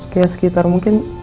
kayak sekitar mungkin